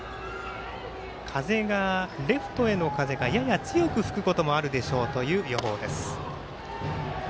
風がレフトへの風がやや強く吹くこともあるでしょうという予報です。